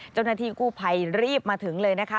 เจ้าหน้าที่กู้ภัยรีบมาถึงเลยนะคะ